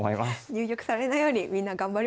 入玉されないようにみんな頑張りましょう。